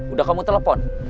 udah kamu telepon